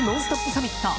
サミット。